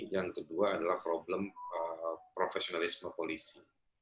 yang kedua adalah problem profesionalisme polisi